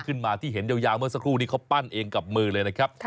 พวกนี้เขาปั้นเองกับมือเลยนะครับ